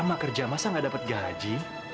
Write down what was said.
masa gak dapet gaji